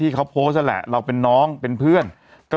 ที่เขาพูดแหละเราเป็นน้องเป็นเพื่อนก็